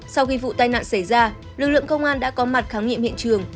sau khi vụ tai nạn xảy ra lực lượng công an đã có mặt khám nghiệm hiện trường